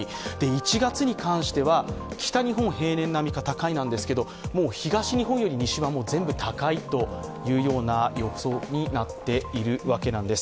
１月に関しては、北日本、平年並みか高いなんですけどもう東日本より西は全部高いという予想になっているわけなんです。